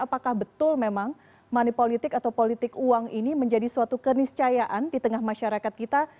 apakah betul memang money politik atau politik uang ini menjadi suatu keniscayaan di tengah masyarakat kita